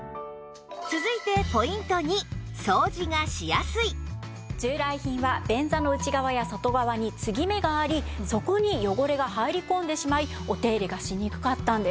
（続いて従来品は便座の内側や外側に継ぎ目がありそこに汚れが入り込んでしまいお手入れがしにくかったんです。